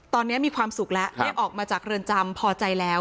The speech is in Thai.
ตอนนี้มีความสุขแล้วได้ออกมาจากเรือนจำพอใจแล้ว